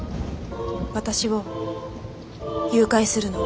私を誘拐するの。